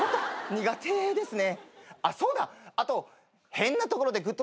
苦手ですね！